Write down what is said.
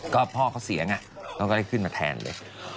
ก็พ่อเขาเสียงเขาก็ได้ขึ้นมาแทนเลย